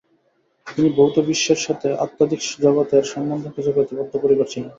তিনি ভৌত বিশ্বের সাথে আধ্যাত্মিক জগৎের সম্বন্ধ খুঁজে পেতে বদ্ধপরিকর ছিলেন।